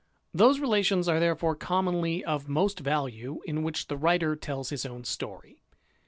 Those relations are therefore commonly of most value in ^hich the writer tells his own story.